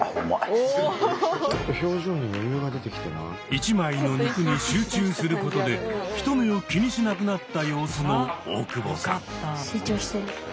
１枚の肉に集中することで人目を気にしなくなった様子の大久保さん。